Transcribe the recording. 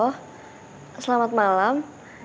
oh selamat malam